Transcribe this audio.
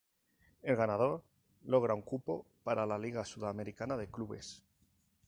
El ganador logra un cupo para la Liga Sudamericana de Clubes.